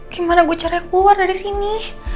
gimana gue caranya keluar dari sini